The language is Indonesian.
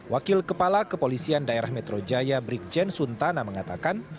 wakil kepala kepolisian daerah metro jaya brikjen suntana mengatakan